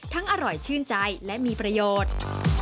อร่อยชื่นใจและมีประโยชน์